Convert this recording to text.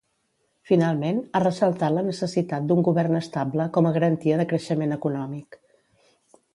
Finalment, ha ressaltat la necessitat d'un govern estable com a garantia de creixement econòmic.